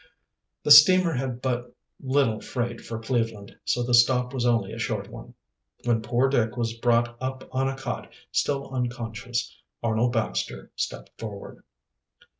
The steamer had but little freight for Cleveland, so the stop was only a short one. When poor Dick was brought up on a cot, still unconscious, Arnold Baxter stepped forward.